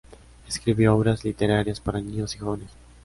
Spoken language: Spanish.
Escribió obras literarias para niños y jóvenes.